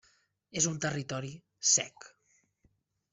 És un territori sec.